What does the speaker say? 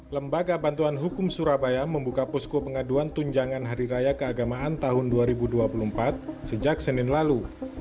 lembaga bantuan hukum surabaya membuka posko pengaduan tunjangan hari raya keagamaan tahun dua ribu dua puluh empat sejak senin lalu